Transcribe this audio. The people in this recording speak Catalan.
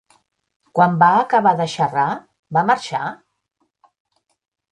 Quan va acabar de xerrar, va marxar?